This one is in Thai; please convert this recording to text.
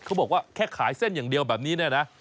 เขาบอกว่าแค่ขายเส้นอย่างเดียวแบบนี้เนี่ยนะ